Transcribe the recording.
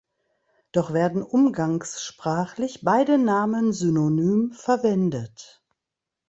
Doch werden umgangssprachlich beide Namen synonym verwendet.